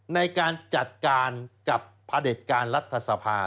ในการจัดการกับพระเด็จการรัฐสภา